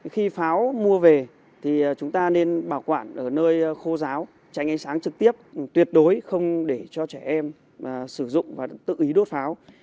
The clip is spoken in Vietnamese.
khi pháo mua về thì chúng ta nên bảo quản ở nơi khô giáo tránh ánh sáng trực tiếp tuyệt đối không để cho trẻ em sử dụng và tự ý đốt pháo